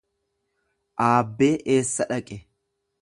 Aabbee eessa dhaqe?